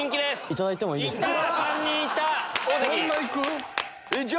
いただいてもいいですか？